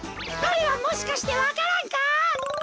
あれはもしかしてわか蘭か！？